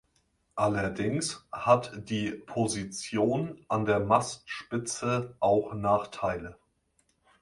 Allerdings hat die Position an der Mastspitze auch Nachteile.